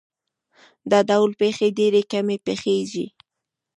دا ډول پېښې ډېرې کمې پېښېږي.